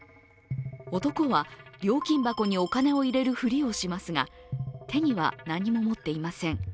男は料金箱にお金を入れるふりをしますが、手には何も持っていません。